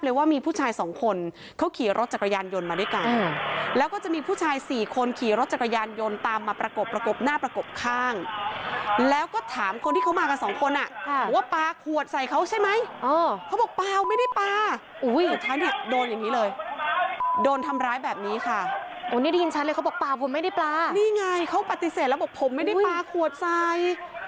นี่ไงเขาปฏิเสธแล้วบอกว่าผมไม่ได้ปลาขวดทราย